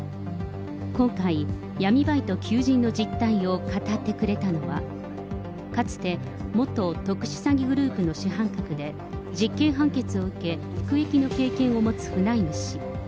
今回、闇バイト求人の実態を語ってくれたのは、かつて元特殊詐欺グループの主犯格で、実刑判決を受け、服役の経験を持つフナイム氏。